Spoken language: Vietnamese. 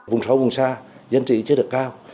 vùng sâu vùng xa dân trị chưa được cao